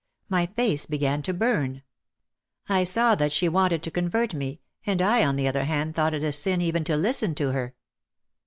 My face began to burn. I saw that she wanted to convert me and I on the other hand thought it a sin even to listen to her.